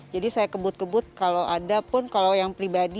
jadi saya kebut kebut kalau ada pun kalau yang pribadi